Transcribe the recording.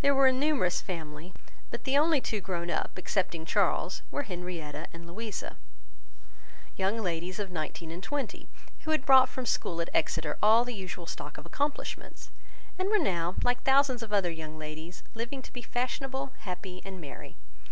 There was a numerous family; but the only two grown up, excepting Charles, were Henrietta and Louisa, young ladies of nineteen and twenty, who had brought from school at Exeter all the usual stock of accomplishments, and were now like thousands of other young ladies, living to be fashionable, happy, and merry.